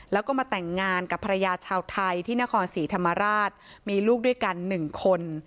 แล้วก็มาแต่งงานกับภรรยาชาวไทยที่นครศรีธรรมราชมีลูกด้วยกัน๑คน